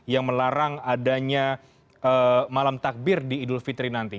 yang melarang adanya malam takbir di idul fitri nanti